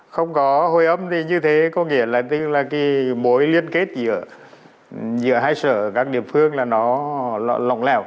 không có hồi âm thì như thế có nghĩa là cái mối liên kết giữa hai sở các địa phương là nó lỏng lẻo